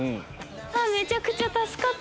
めちゃくちゃ助かった！